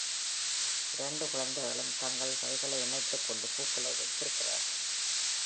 இரண்டு குழந்தைகளும் தங்கள் கைகளை இணைத்துக் கொண்டு பூக்களை வைத்திருக்கிறார்கள்.